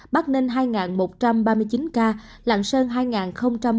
bắc ninh hai một trăm ba mươi chín ca lạng sơn hai một mươi năm ca